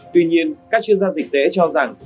tuy nhiên các chuyên gia dịch tế cho rằng